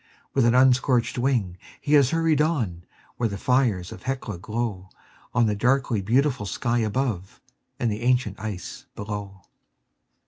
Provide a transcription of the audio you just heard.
With an unscorched wing he has hurried on, where the fires of Hecla glow On the darkly beautiful sky above and the ancient ice below.